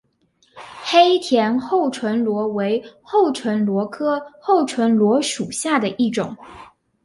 黑田厚唇螺为厚唇螺科厚唇螺属下的一个种。